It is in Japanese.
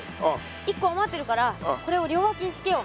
１こあまってるからこれをりょうわきにつけよう。